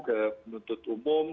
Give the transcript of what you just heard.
ke penuntut umum